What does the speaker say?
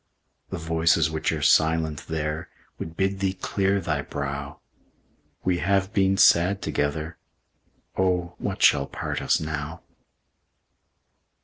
The voices which are silent there Would bid thee clear thy brow; We have been sad together. Oh, what shall part us now?